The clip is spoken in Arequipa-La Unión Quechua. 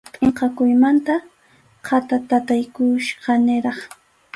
Pʼinqakuymanta khatatataykuchkaniraq.